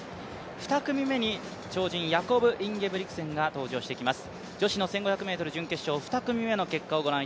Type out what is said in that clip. ２組目に超人、ヤコブ・インゲブリクセンが登場してきます。